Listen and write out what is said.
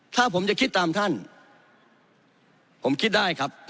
ถ้าผมจะคิดตามท่านผมคิดได้ครับ